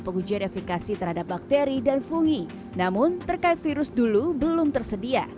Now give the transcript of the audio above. pengujian efekasi terhadap bakteri dan fungi namun terkait virus dulu belum tersedia